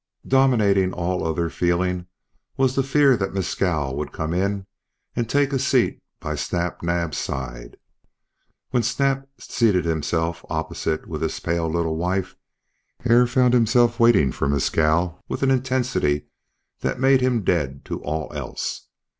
Dominating all other feeling was the fear that Mescal would come in and take a seat by Snap Naab's side. When Snap seated himself opposite with his pale little wife Hare found himself waiting for Mescal with an intensity that made him dead to all else.